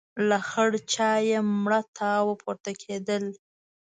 له خړ چايه مړه تاوونه پورته کېدل.